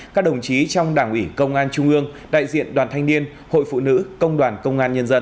các đồng chí trong đảng ủy công an trung ương đại diện đoàn thanh niên hội phụ nữ công đoàn công an nhân dân